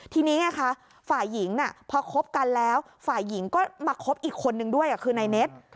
ทีนี้ไงคะฝ่ายหญิงพอคบกันแล้วฝ่ายหญิงก็มาคบอีกคนนึงด้วยคือนายเน็ต